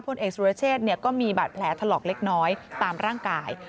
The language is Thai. เอกสุรเชษก็มีบาดแผลถลอกเล็กน้อยตามร่างกาย